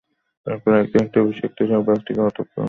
তারপর একদিন, একটা বিষাক্ত সাপ গাছটিতে অতপ্রোতভাবে জড়িয়ে যায়।